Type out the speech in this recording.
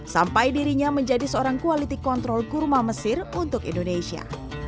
sampai dirinya menjadi seorang quality control kurma mesir untuk indonesia